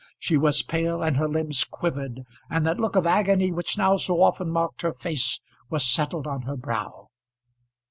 She was pale and her limbs quivered, and that look of agony, which now so often marked her face, was settled on her brow.